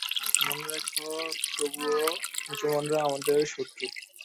মনে রেখ, তবুও মুসলমানরা আমাদের শত্রু।